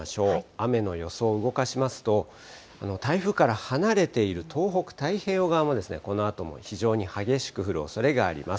雨の予想、動かしますと、台風から離れている東北太平洋側もですね、このあとも非常に激しく降るおそれがあります。